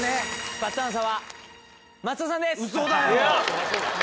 バッドアンサーは松尾さんです。